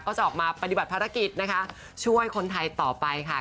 จะออกมาปฏิบัติภารกิจนะคะช่วยคนไทยต่อไปค่ะ